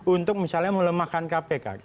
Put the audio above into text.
untuk misalnya melemahkan kpk